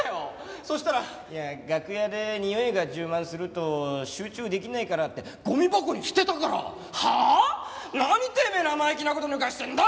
そしたら「いや楽屋でにおいが充満すると集中できないから」ってゴミ箱に捨てたから「はあ！？何てめえ生意気な事抜かしてんだ